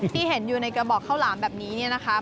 ที่เห็นอยู่ในกระบอกข้าวหลามแบบนี้นะครับ